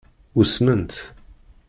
Usment.